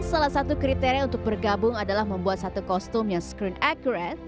salah satu kriteria untuk bergabung adalah membuat satu kostum yang screen accorad